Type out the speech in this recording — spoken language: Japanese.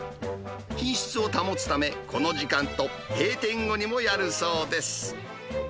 品質を保つため、この時間と閉店後にもやるそうです。